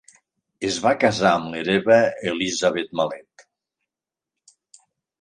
Es va casar amb l'hereva Elizabeth Malet.